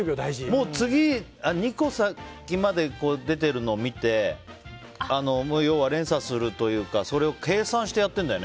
もう次、２個先まで出ているのを見て連鎖するというかそれを計算してはい。